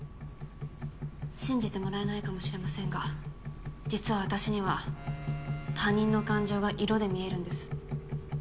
信じてもらえないかもしれませんが実は私には他人の感情が色で見えるんです。